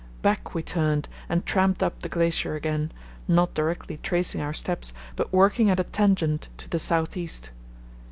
Back we turned and tramped up the glacier again, not directly tracing our steps but working at a tangent to the south east.